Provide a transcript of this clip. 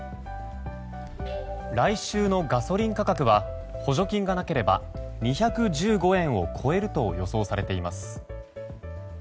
来週のガソリン価格は補助金がなければ２１５円を超えると予想されています。